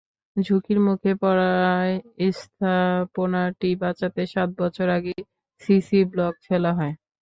ঝুঁকির মুখে পড়ায় স্থাপনাটি বাঁচাতে সাত বছর আগে সিসি ব্লক ফেলা হয়।